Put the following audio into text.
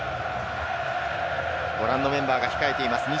ご覧のメンバーが控えています。